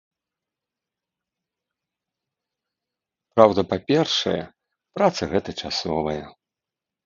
Праўда, па-першае, праца гэта часовая.